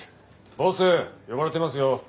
ボス呼ばれてますよ。